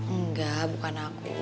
enggak bukan aku